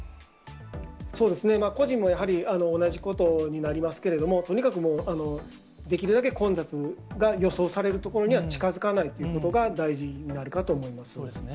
そうですね、個人もやはり同じことになりますけれども、とにかくもう、できるだけ混雑が予想される所には近づかないということが大事にそうですね。